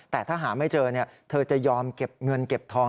แต่ถ้าหาไม่เจอเธอจะยอมเก็บเงินเก็บทอง